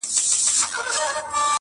په هجران کښې خیال د یار راسره مل دی